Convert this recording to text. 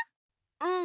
うん。